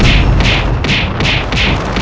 ibu bunda disini nak